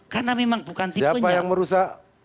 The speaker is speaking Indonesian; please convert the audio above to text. karena memang bukan tipenya